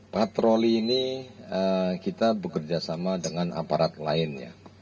patroli ini kita bekerja sama dengan aparat lainnya